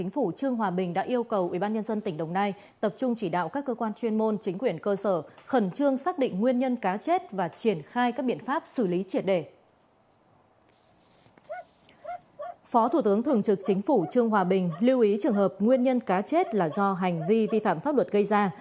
phó thủ tướng thường trực chính phủ trương hòa bình lưu ý trường hợp nguyên nhân cá chết là do hành vi vi phạm pháp luật gây ra